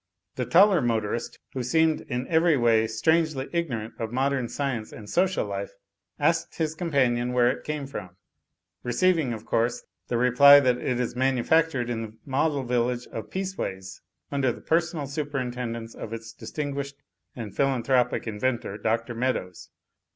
The taller motorist (who seemed in every way strangely ignorant of modem science and social life) asked his companion where it came from, receiving, of course, the reply that it is manufactured in the model village of Peace ways, under the personal superintendence of its distinguished and philanthropic inventor, Dr. Meadows.